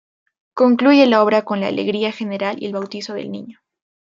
Concluye la obra con la alegría general y el bautizo del niño.